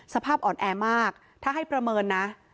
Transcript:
สภาพอ่อนแอมากถ้าให้ประเมินนะ